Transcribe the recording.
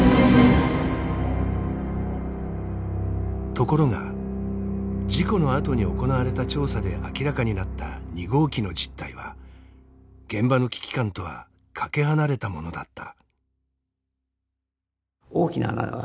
ところが事故のあとに行われた調査で明らかになった２号機の実態は現場の危機感とはかけ離れたものだった。